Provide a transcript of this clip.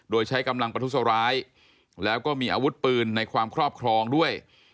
โดยใช้กำลังประทุษร้ายแล้วก็มีอาวุธปืนในความครอบครองด้วย